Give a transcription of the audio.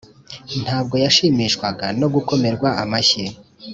ntabwo yashimishwaga no gukomerwa amashyi,